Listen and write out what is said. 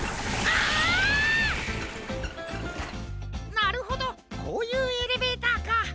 なるほどこういうエレベーターか。